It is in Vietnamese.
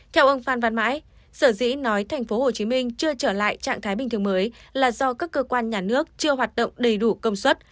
theo ông phan văn mãi sở dĩ nói tp hcm chưa trở lại trạng thái bình thường mới là do các cơ quan nhà nước chưa hoạt động đầy đủ công suất